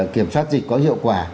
kiểm soát dịch có hiệu quả